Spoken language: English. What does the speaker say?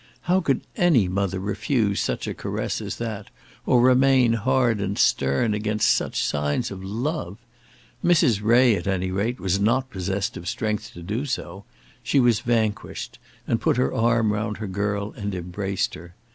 How could any mother refuse such a caress as that, or remain hard and stern against such signs of love? Mrs. Ray, at any rate, was not possessed of strength to do so. She was vanquished, and put her arm round her girl and embraced her.